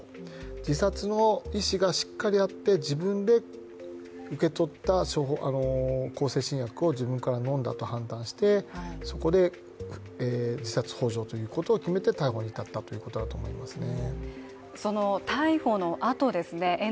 自殺の意思がしっかりあって自分で受け取った向精神薬を自分から飲んだと判断してそこで自殺ほう助ということを決めて逮捕に至ったということだと思いますね。